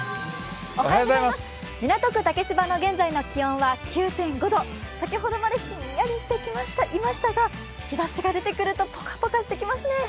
港区竹芝の現在の気温は９．５度先ほどまでひんやりしていましたが、日ざしが出てくると、ポカポカしてきますね。